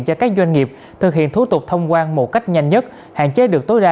cho các doanh nghiệp thực hiện thủ tục thông quan một cách nhanh nhất hạn chế được tối đa